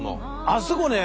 あそこね